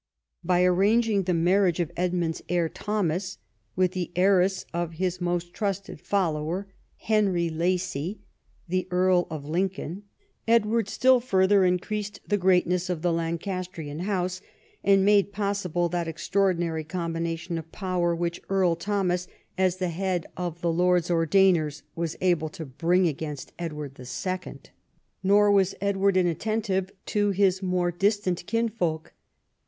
By arranging the marriage of Edmund's heir, Thomas, with the heiress of his most trusted follower, Henry Lacy, the Earl of Lincoln, Edward still further increased the greatness of the Lancastrian house, and made possible that extraordinary combination of power which Eurl Thomas, as the head of the Lords IV THE KING AND HIS "WORK 77 Ordainers, was able to bring to bear against Edward 11. Nor was Edward inattentive to his more distant kinsfolk.